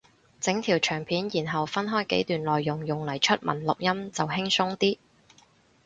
整條長片然後分開幾段內容用嚟出文錄音就輕鬆啲